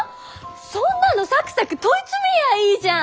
そんなのサクサク問い詰めりゃいいじゃん！